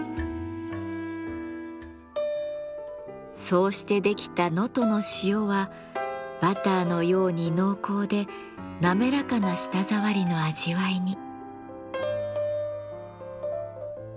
そうして出来た能登の塩はバターのように濃厚でなめらかな舌触りの味わいに。